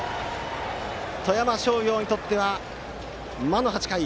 富山商業にとっては魔の８回。